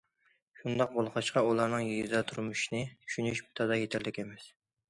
شۇنداق بولغاچقا، ئۇلارنىڭ يېزا تۇرمۇشىنى چۈشىنىشى تازا يېتەرلىك ئەمەس.